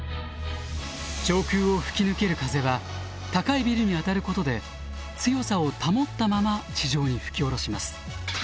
上空を吹き抜ける風は高いビルに当たることで強さを保ったまま地上に吹き降ろします。